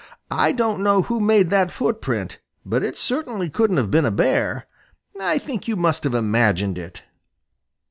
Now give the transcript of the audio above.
I don't know who made that footprint, but it certainly couldn't have been a Bear. I think you must have imagined it."